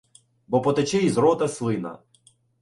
Бо потече із рота слина